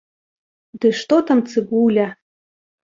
Ды што там цыбуля!